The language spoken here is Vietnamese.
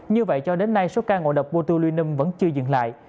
như vậy cho đến nay số ca ngộ độc botulinum vẫn chưa dừng lại